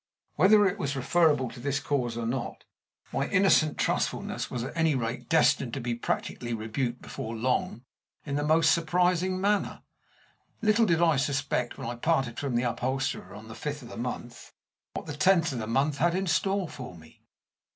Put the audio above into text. Whether it was referable to this cause or not, my innocent trustfulness was at any rate destined to be practically rebuked before long in the most surprising manner. Little did I suspect, when I parted from the upholsterer on the fifth of the month, what the tenth of the month had in store for me.